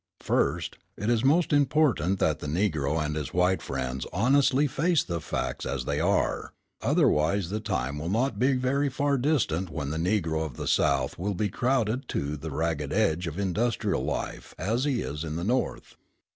First, it is most important that the Negro and his white friends honestly face the facts as they are; otherwise the time will not be very far distant when the Negro of the South will be crowded to the ragged edge of industrial life as he is in the North.